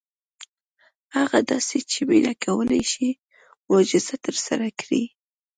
هغه داسې چې مينه کولی شي معجزه ترسره کړي.